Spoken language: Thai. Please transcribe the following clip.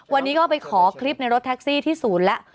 วันนี้ก็ไปขอคลิปในรถแท็กซี่ที่ศูนย์แล้ว